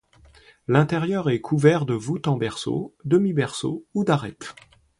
L'intérieur est couvert de voûte en berceau, demi-berceau ou d'arêtes.